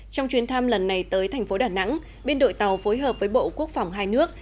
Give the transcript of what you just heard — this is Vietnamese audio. trong chuyến thăm lần này tới thành phố đà nẵng bên đội tàu phối hợp với bộ quốc phòng hai nước